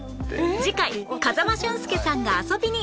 次回風間俊介さんが遊びに